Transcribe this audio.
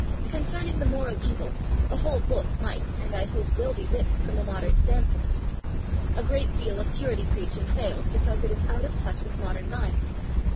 Concerning the moral evil, a whole book might and I hope will be written, from a modern standpoint. A great deal of purity preaching fails because it is out of touch with modern minds.